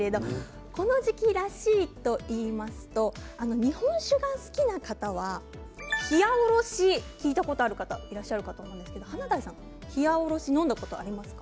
この時期らしいといいますと日本酒が好きな方はひやおろし聞いたことある方いらっしゃるかと思うんですが華大さん、ひやおろし飲んだことありますか。